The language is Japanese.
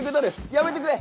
やめてくれ！